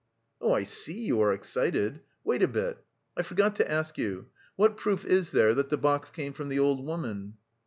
"Oh, I see you are excited! Wait a bit. I forgot to ask you; what proof is there that the box came from the old woman?"